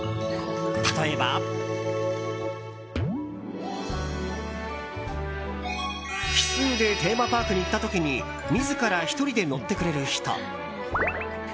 例えば。奇数でテーマパークに行った時に自ら１人で乗ってくれる人。